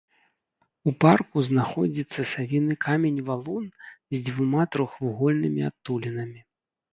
У парку знаходзіцца савіны камень-валун з двума трохвугольнымі адтулінамі.